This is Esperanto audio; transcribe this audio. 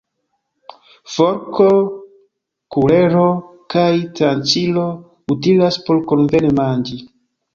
Forko, kulero kaj tranĉilo utilas por konvene manĝi.